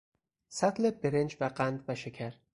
سطل برنج و قند و شکر